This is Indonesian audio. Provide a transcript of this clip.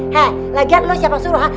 heh lagi lo siapa suruh ha